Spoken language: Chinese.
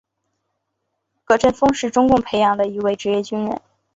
葛振峰是中共培养的一位职业军人。